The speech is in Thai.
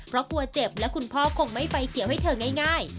เพราะกลัวเจ็บและคุณพ่อคงไม่ไฟเขียวให้เธอง่าย